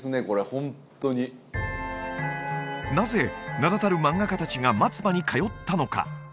これホントになぜ名だたる漫画家達が松葉に通ったのか？